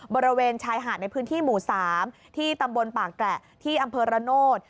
บริเวณชายหาดในพื้นที่หมู่๓ที่ตำบลป่าแกระที่อำเภอระโนธ